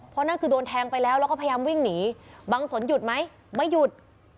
เพราะนั่นคือโดนแทงไปแล้วแล้วก็พยายามวิ่งหนีบางสนหยุดไหมไม่หยุด